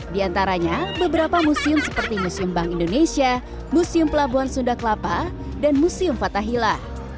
di antaranya beberapa museum seperti museum bank indonesia museum pelabuhan sunda kelapa dan museum fathahila